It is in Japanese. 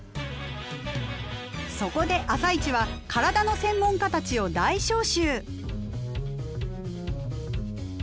そこで「あさイチ」は体の専門家たちを大招集！